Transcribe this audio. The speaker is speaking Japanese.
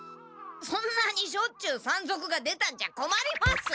そんなにしょっちゅう山賊が出たんじゃこまります！